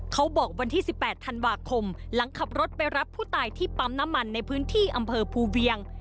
เขาบอกวันที่๑๘ธันวาคมหลังขับรถไปรับผู้ตายที่ปั๊มน้ำมันในพื้นที่อำเภอภูเวียง